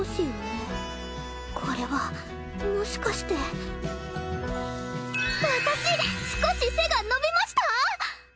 これはもしかして私少し背が伸びました！？